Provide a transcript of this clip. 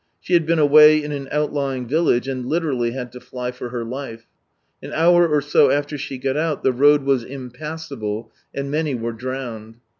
She had been away in an outlying village, and literally had to fly for her life. An hour or so after she got out, the road was impassable, and many were drowned.